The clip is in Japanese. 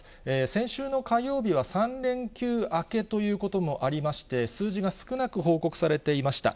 先週の火曜日は３連休明けということもありまして、数字が少なく報告されていました。